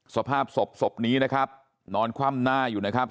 สภาพศพนี้นะครับนอนคว่ำหน้าอยู่นะครับ